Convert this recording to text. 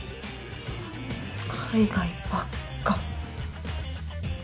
海外ばっか。